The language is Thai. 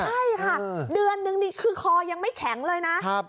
ใช่ค่ะเดือนนึงนี่คือคอยังไม่แข็งเลยนะ